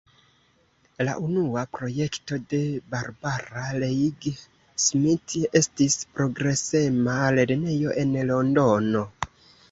La unua projekto de Barbara Leigh Smith estis progresema lernejo en Londono.